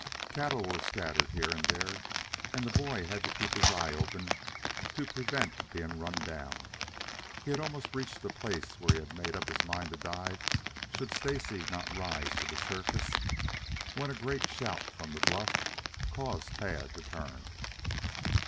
Cattle were scattered here and there and the boy had to keep his eyes open to prevent being run down. He had almost reached the place where he had made up his mind to dive, should Stacy not rise to the surface, when a great shout from the bluff caused Tad to turn.